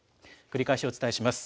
繰り返しお伝えします。